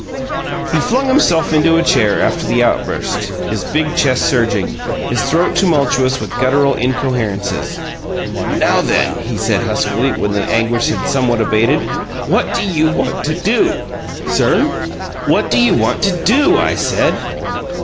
He flung himself into a chair after the outburst, his big chest surging, his throat tumultuous with gutteral incoherences. "Now then," he said, huskily, when the anguish had somewhat abated, "what do you want to do?" "Sir?" "What do you WANT to do, I said."